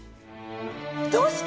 どうして！？